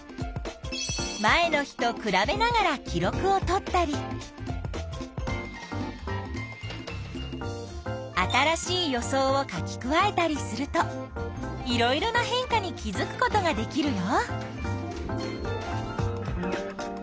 前の日とくらべながら記録をとったり新しい予想を書き加えたりするといろいろな変化に気づくことができるよ。